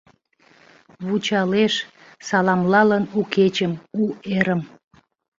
Вучалеш, саламлалын у кечым, у эрым.